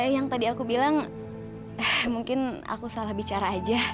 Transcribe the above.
yang tadi aku bilang mungkin aku salah bicara aja